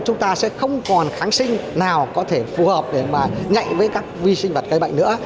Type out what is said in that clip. chúng ta sẽ không còn kháng sinh nào có thể phù hợp để mà nhạy với các vi sinh vật gây bệnh nữa